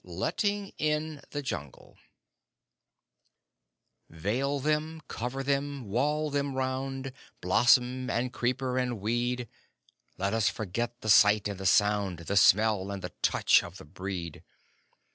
LETTING IN THE JUNGLE Veil them, cover them, wall them round Blossom, and creeper, and weed Let us forget the sight and the sound, The smell and the touch of the breed!